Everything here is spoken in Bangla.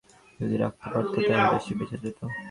মোতির মাকে কোনো ছুতোয় কুমু যদি রাখতে পারত তা হলে সে বেঁচে যেত।